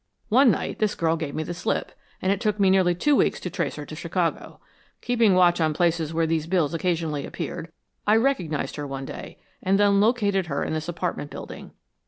"One night this girl gave me the slip, and it took me nearly two weeks to trace her to Chicago. Keeping watch on places where these bills occasionally appeared, I recognized her one day, and then located her in this apartment building.